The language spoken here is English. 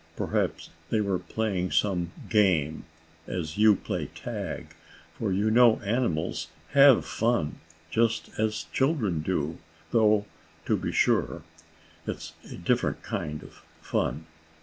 Perhaps they were playing some game, as you play tag, for you know animals have fun just as children do, though, to be sure, it is a different kind of fun.